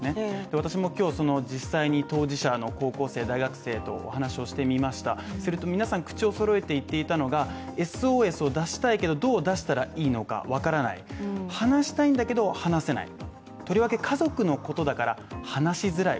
私も今日、実際に当事者の高校生、大学生とお話をしてすると皆さん、口をそろえて言っていたのが、ＳＯＳを出したいけどどう出したらいいのか分からない、話したいんだけど話せない、とりわけとりわけ家族のことだから話しづらい。